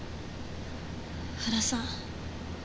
原さん。